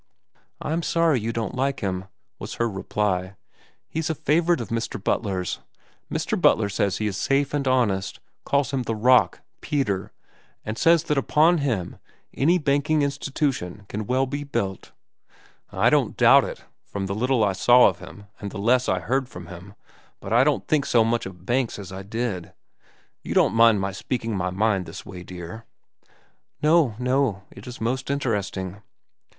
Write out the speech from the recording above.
"I'm sorry you don't like him," was her reply. "He's a favorite of Mr. Butler's. Mr. Butler says he is safe and honest—calls him the Rock, Peter, and says that upon him any banking institution can well be built." "I don't doubt it—from the little I saw of him and the less I heard from him; but I don't think so much of banks as I did. You don't mind my speaking my mind this way, dear?" "No, no; it is most interesting."